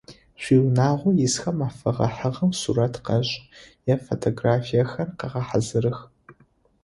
Шъуиунагъо исхэм афэгъэхьыгъэу сурэт къэшӏ, е фотографиехэр къэгъэхьазырых.